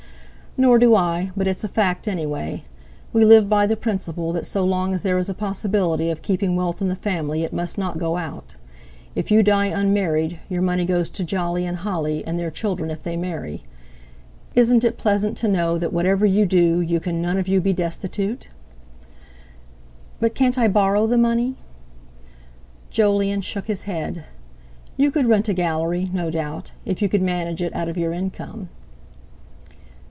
Nor do I, but it's a fact, anyway; we live by the principle that so long as there is a possibility of keeping wealth in the family it must not go out; if you die unmarried, your money goes to Jolly and Holly and their children if they marry. Isn't it pleasant to know that whatever you do you can none of you be destitute?" "But can't I borrow the money?" Jolyon shook his head. "You could rent a Gallery, no doubt, if you could manage it out of your income."